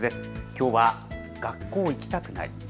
きょうは学校行きたくない。